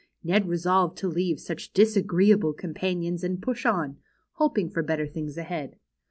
Ned resolved to leave such disagreeable companions, and push on, hoping for better things ahead.